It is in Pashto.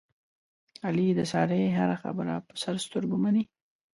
علي د سارې هره خبره په سر سترګو مني.